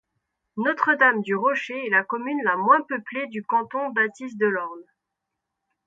Notre-Dame-du-Rocher est la commune la moins peuplée du canton d'Athis-de-l'Orne.